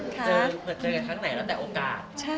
เหมือนเจอกันทั้งไหนแล้วแต่โอกาส